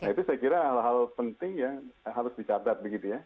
nah itu saya kira hal hal penting yang harus dicatat begitu ya